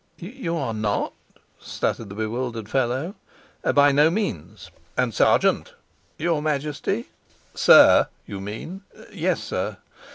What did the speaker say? "You are not ?" stuttered the bewildered fellow. "By no means. And, sergeant ?" "Your Majesty?" "Sir, you mean." "Yes, sir."